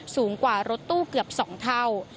สูงกว่ารถตู้เกือบ๒เท่า